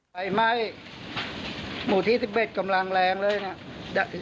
ไฟไหม้หมู่ที่สิบเบจกำลังแรงเลยน่ะ